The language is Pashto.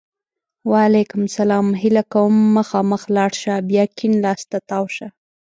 وعلیکم سلام! هیله کوم! مخامخ لاړ شه! بیا کیڼ لاس ته تاو شه!